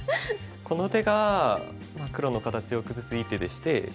この手が黒の形を崩すいい手でして。